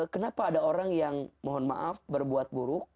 kenapa ada orang yang mohon maaf berbuat buruk